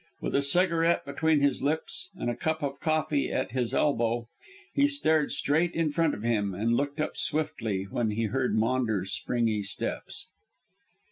With a cigarette between his lips and a cup of coffee at his elbow, he stared straight in front of him, but looked up swiftly when he heard Maunders' springy steps.